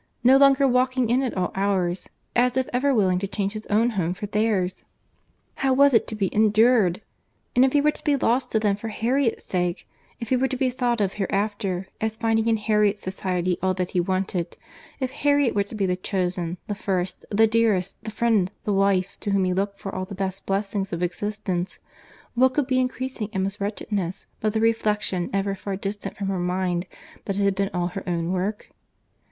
—No longer walking in at all hours, as if ever willing to change his own home for their's!—How was it to be endured? And if he were to be lost to them for Harriet's sake; if he were to be thought of hereafter, as finding in Harriet's society all that he wanted; if Harriet were to be the chosen, the first, the dearest, the friend, the wife to whom he looked for all the best blessings of existence; what could be increasing Emma's wretchedness but the reflection never far distant from her mind, that it had been all her own work?